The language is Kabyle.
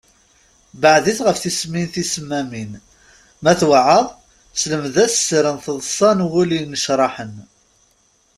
Beɛɛed-it ɣef tismin tisemmamin, ma tweɛɛaḍ, selmed-as sser n taḍsa n wul yennecṛaḥen.